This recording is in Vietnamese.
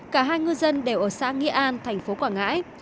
cả hai ngư dân đều ở xã nghĩa an thành phố quảng ngãi